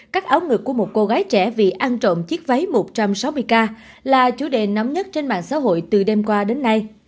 các áo ngực của một cô gái trẻ vì ăn trộm chiếc váy một trăm sáu mươi k là chủ đề nóng nhất trên mạng xã hội từ đêm qua đến nay